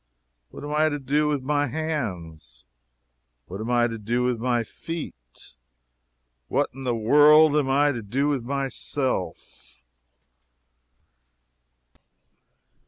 What am I to do with my hands? What am I to do with my feet? What in the world am I to do with myself?